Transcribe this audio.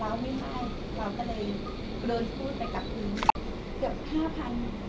แล้วก็มีสะเบา